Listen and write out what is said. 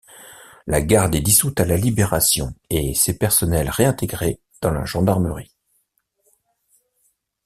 La Garde est dissoute à la Libération et ses personnels réintégrés dans la Gendarmerie.